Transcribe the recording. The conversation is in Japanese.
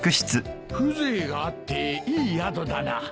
風情があっていい宿だな。